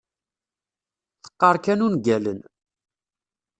Teqqar kan ungalen.